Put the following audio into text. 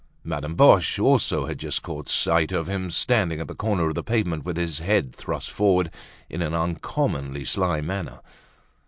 Madame Boche also had just caught sight of him standing at the corner of the pavement with his head thrust forward in an uncommonly sly manner.